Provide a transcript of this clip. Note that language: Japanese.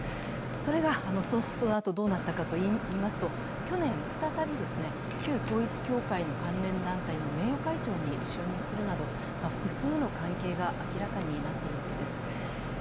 それがそのあとどうなったかといいますと、去年再び旧統一教会の関連団体の名誉会長に就任するなど複数の関係が明らかになっているわけです。